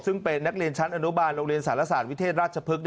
ซึ่งเป็นนักเรียนชั้นอนุบาลโรงเรียนสารศาสตร์วิเทศราชพฤกษ